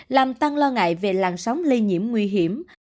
làm tăng lo ngại về làn sóng lây nhiễm nguy hiểm